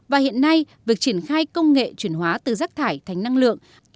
và hiện nay việc triển khai công nghệ chuyển hóa từ rác thải thành năng lượng